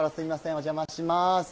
お邪魔します。